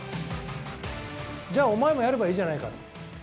じゃあお前もやればいいじゃないか。